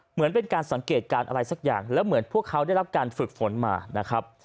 เหมือนเป็นการสังเกตการณ์อะไรสักอย่างแล้วเหมือนพวกเขาได้รับการฝึกฝนมานะครับ